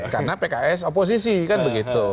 karena pks oposisi kan begitu